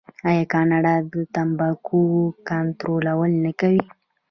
آیا کاناډا د تمباکو کنټرول نه کوي؟